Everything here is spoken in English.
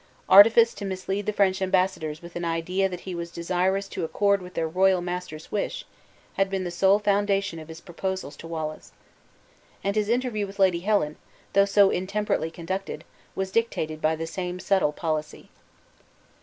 Artifice to mislead the French embassadors with an idea that he was desirous to accord with their royal master's wish, had been the sole foundation of his proposals to Wallace. And his interview with Lady Helen, though so intemperately conducted, was dictated by the same subtle policy.